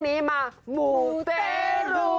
วันนี้มาหมูเตรู